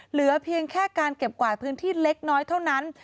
เหลือเพียงแค่การเก็บกวาดพื้นที่เล็กน้อยเท่านั้น